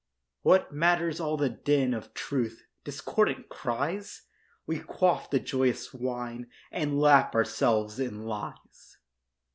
What matters all the din Of truth—discordant cries? We quaff the joyous wine And lap ourselves in lies.